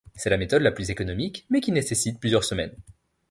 C'est la méthode la plus économique mais qui nécessite plusieurs semaines.